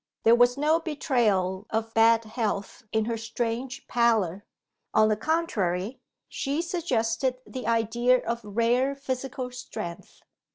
There was no betrayal of bad health in her strange pallor: on the contrary, she suggested the idea of rare physical strength.